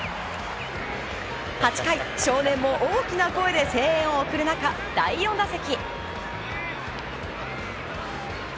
８回、少年も大きな声で声援を送る中、第４打席。